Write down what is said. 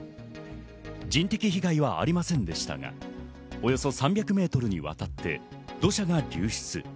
人的被害はありませんでしたが、およそ３００ｍにわたって土砂が流出。